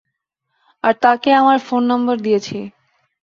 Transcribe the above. আর তাকে আমার phone number দিয়েছি।